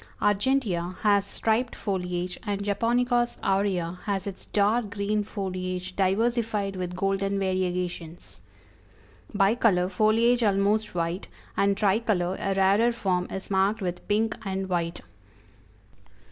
Argentea has striped foliage, and Japonicas aurea has its dark green foliage diversified with golden variegations. Bicolor, foliage almost white, and Tricolor, a rarer form, is marked with pink and white.